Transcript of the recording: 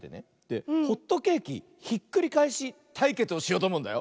ホットケーキひっくりかえしたいけつをしようとおもうんだよ。